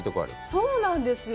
そうなんですよ。